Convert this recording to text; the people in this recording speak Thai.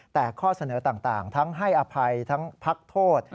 แต่ข้อเสนอต่างทั้งให้อภัยทั้งพักโทษ